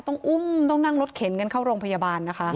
ก็ต้องนั่งรถเข็นกันเข้าโรงพยาบาลนะคะ